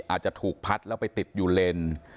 อาจจะถูกพัดแล้วไปติดอยู่เลน